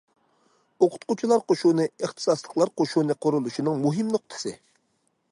ئوقۇتقۇچىلار قوشۇنى ئىختىساسلىقلار قوشۇنى قۇرۇلۇشىنىڭ مۇھىم نۇقتىسى.